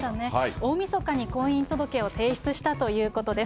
大みそかに婚姻届を提出したということです。